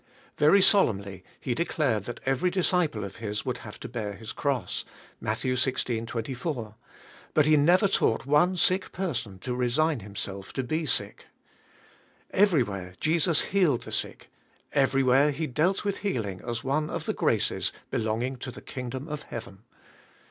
Very solemnly He declared that every disciple of His would have to bear His cross (Matt. xvi. 24), but He never taught one sick person to resign himself to be sick. Everywhere Jesus healed the sick, everywhere He dealt with heading as one of the graces belonging to the king dom of heaven.